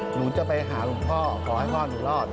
หนูจะไปหาหลวงพ่อขอให้พ่อหนูรอด